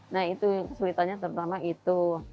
nah itu kesulitannya terutama itu